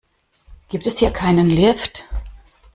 Gibt es hier keinen Lift?